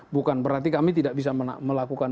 bukan berarti kami tidak bisa melakukan